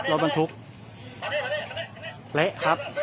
มันก็ไม่ต่างจากที่นี่นะครับ